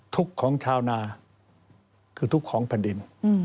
ทุกของชาวนาคือทุกของพระดิน